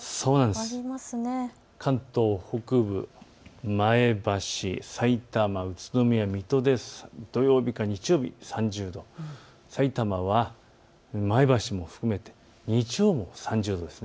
関東北部、前橋、さいたま、宇都宮、水戸で土曜日、日曜日３０度さいたま、前橋も含めて日曜も３０度です。